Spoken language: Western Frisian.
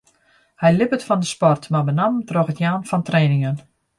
Hy libbet fan de sport, mar benammen troch it jaan fan trainingen.